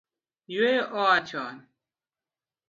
Yueyo oa chon